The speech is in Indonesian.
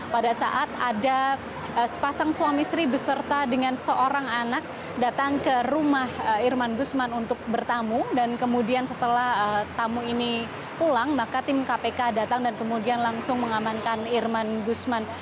pada saat ada sepasang suami istri beserta dengan seorang anak datang ke rumah irman gusman untuk bertamu dan kemudian setelah tamu ini pulang maka tim kpk datang dan kemudian langsung mengamankan irman gusman